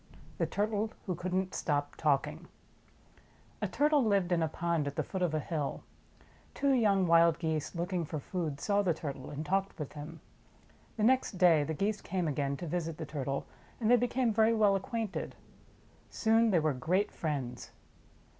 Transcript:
iv; THE TURTLE WHO COULD N'T STOP TALKING A TURTLE lived in a pond at the foot of a hill. Two young wild Geese, looking for food, saw the Turtle, and talked with him. The next day the Geese came again to visit the Turtle and they became very well acquainted. Soon they were great friends.